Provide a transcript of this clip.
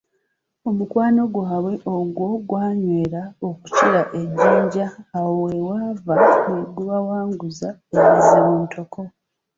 Omukwano gwabwe ogwo ogwanywera okukira ejjinja awo we gw'ava , ne gubawanguza ebizibu ntoko.